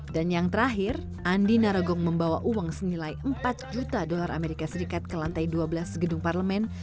dan yang terakhir andi narogong membawa uang senilai empat juta dolar as ke lantai dua belas gedung parlemen